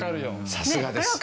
さすがです。